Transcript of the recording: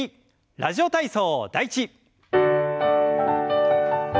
「ラジオ体操第１」。